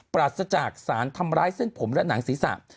ปราศจากสารทำร้ายเส้นผมและหนังศีรษะ